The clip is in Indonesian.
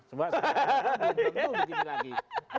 sebab sekarang belum tentu begini lagi